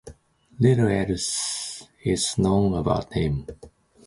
Little else is known about him.